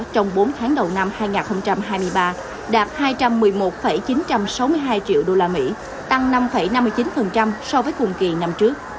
trong bốn tháng đầu năm hai nghìn hai mươi ba đạt hai trăm một mươi một chín trăm sáu mươi hai triệu usd tăng năm năm mươi chín so với cùng kỳ năm trước